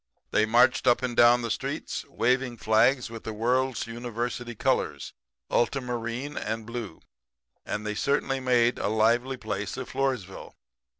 "They marched up and down the streets waving flags with the World's University colors ultra marine and blue and they certainly made a lively place of Floresville.